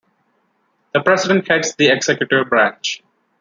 The president heads the executive branch.